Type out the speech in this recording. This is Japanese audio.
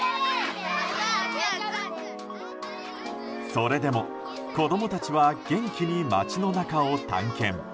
それでも子供たちは元気に街の中を探検。